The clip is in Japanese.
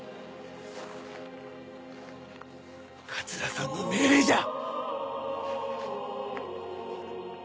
桂さんの命令じゃ。